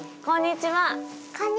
こんにちは。